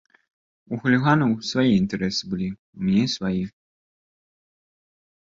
У хуліганаў свае інтарэсы былі, у мяне свае.